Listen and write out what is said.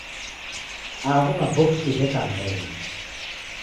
Agho maboksi gheka mengi.